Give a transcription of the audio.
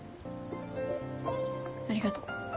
ありがと。